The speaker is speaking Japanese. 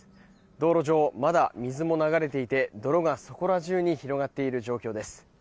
道路上、まだ水も流れていて泥がそこら中に広がっている状況です。